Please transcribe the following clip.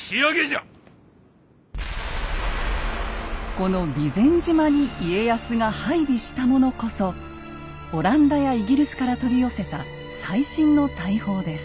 この備前島に家康が配備したものこそオランダやイギリスから取り寄せた最新の大砲です。